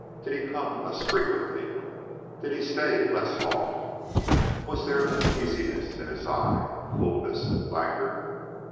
Did he come less frequently? Did he stay less long? Was there uneasiness in his eye coolness languor?